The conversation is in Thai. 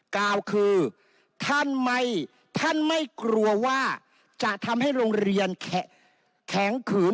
กล่าวคือท่านไม่ท่านไม่กลัวว่าจะทำให้โรงเรียนแข็งขืน